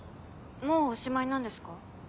もうおしまいなんですか？